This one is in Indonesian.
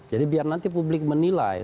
jadi biar nanti publik menilai